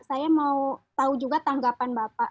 saya mau tahu juga tanggapan bapak